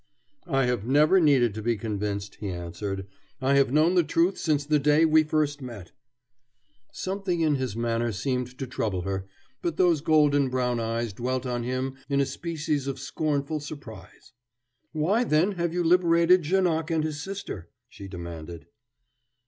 "I have never needed to be convinced," he answered. "I have known the truth since the day when we first met." Something in his manner seemed to trouble her, but those golden brown eyes dwelt on him in a species of scornful surprise. "Why, then, have you liberated Janoc and his sister?" she demanded.